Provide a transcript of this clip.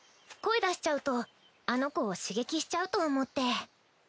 声出しちゃうとあの子を刺激しちゃうと思って。